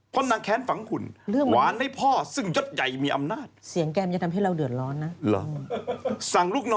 เพราะนางแค้นฝังขุ่น